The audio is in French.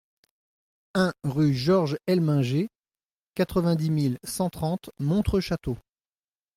un rue Georges Helminger, quatre-vingt-dix mille cent trente Montreux-Château